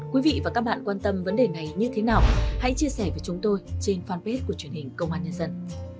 quý vị và các bạn quan tâm vấn đề này như thế nào hãy chia sẻ với chúng tôi trên fanpage của truyền hình công an nhân dân